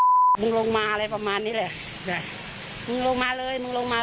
มึงลงมาเลยมึงลงมาเลยมึงแม่กินลงมาเลยเลย